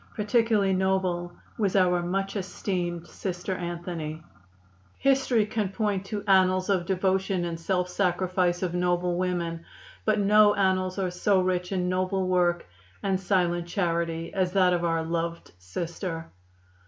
Particularly noble was our much esteemed Sister Anthony. "History can point to annals of devotion and self sacrifice of noble women, but no annals are so rich in noble work and silent charity as that of our loved Sister.